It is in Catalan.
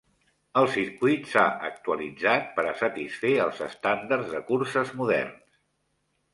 El circuit s'ha actualitzat per a satisfer els estàndards de curses moderns.